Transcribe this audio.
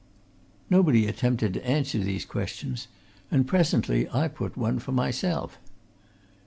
Nobody attempted to answer these questions, and presently I put one for myself.